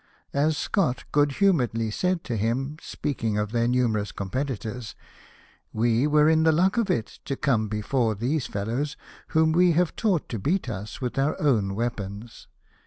As Scott good humouredly said to him, speaking of their numerous competitors, '' We were in the luck of it to come before these fellows, whom we have taught to beat us with our own weapons."